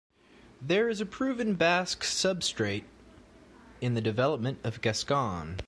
There is a proven Basque substrate in the development of Gascon.